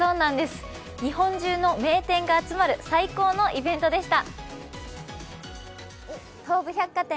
日本中の名店が集まる最高のイベントでした。